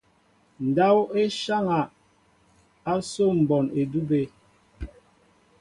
Ndáw e nsháŋa asó mbón edube.